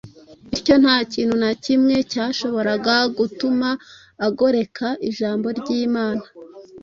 bityo nta kintu na kimwe cyashoboraga gutuma agoreka ijambo ry’Imana